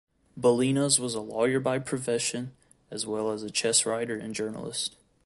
Balinas was a lawyer by profession, as well as a chess writer and journalist.